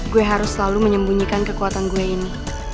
gue harus selalu menyembunyikan kekuatan gue ini